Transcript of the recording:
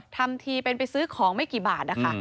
ทำทีเป็นไปซื้อของไม่กี่บาทนะคะ